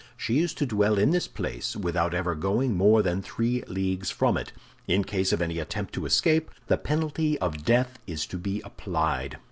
She is to dwell in this place without ever going more than three leagues from it. In case of any attempt to escape, the penalty of death is to be applied.